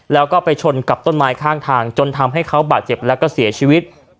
แล้วก็ไปชนกับต้นไม้ข้างทางจนทำให้เขาบาดเจ็บแล้วก็เสียชีวิต